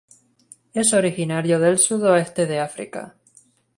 Es originario del sudoeste de África.